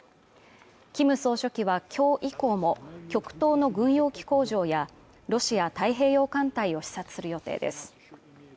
キム総書記はきょう以降も極東の軍用機工場やロシア太平洋艦隊を視察する予定です